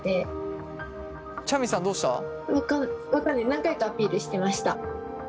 何回かアピールしてました。